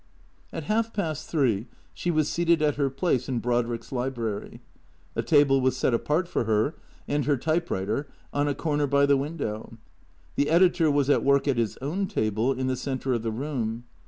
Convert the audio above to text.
At half past three she was seated at her place in Brodrick's library. A table was set apart for her and her typewriter on a corner by the window. The editor was at work at his own table in the centre of the room.